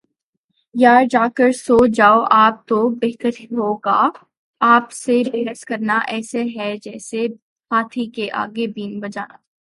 یار جا کر سو جاﺅ آپ تو بہتر ہو گا، آپ سے بحث کرنا ایسے ہی ہے جسیے ہاتھی کے آگے بین بجانا